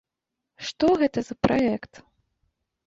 Што гэта за праект?